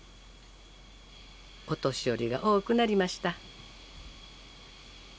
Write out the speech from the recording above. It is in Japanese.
お年寄りが多くなりました。